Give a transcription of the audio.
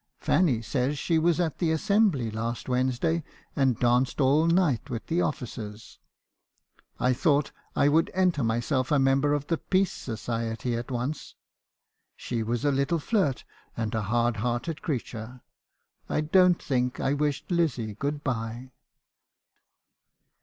Fanny says she was at the Assembly last Wed nesday, and danced all night with the officers.' U I thought I would enter myself a member of the Peace So ciety at once. She was a little flirt, and a hard hearted crea ture. I don't think I wished Lizzie good bye."